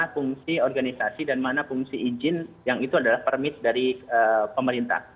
fungsi organisasi dan mana fungsi izin yang itu adalah permit dari pemerintah